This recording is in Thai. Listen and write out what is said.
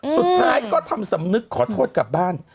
สุดท้ายก็ทำสำนึกขอโทษกลับบ้าน